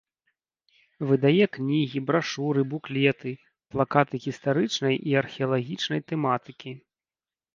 Выдае кнігі, брашуры, буклеты, плакаты гістарычнай і археалагічнай тэматыкі.